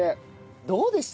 どうでした？